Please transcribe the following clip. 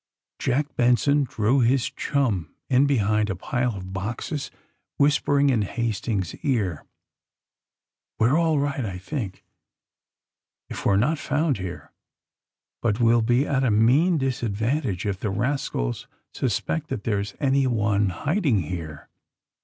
Jack Benson drew his chum in behind a pile of boxes, whispering in Hastings's ear: ^^We're all right, I think, if we're not fonnd here. But we'll be at a mean disadvantage if the rascals suspect that there's anyone hiding here.